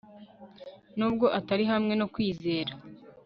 Nubwo atari hamwe no Kwizera